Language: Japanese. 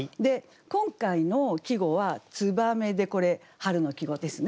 今回の季語は「燕」でこれ春の季語ですね。